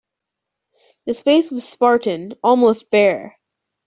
The space was spartan, almost bare.